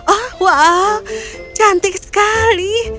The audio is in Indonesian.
oh wow cantik sekali